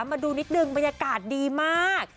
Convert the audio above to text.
มาดูนิดนึงบรรยากาศดีมาก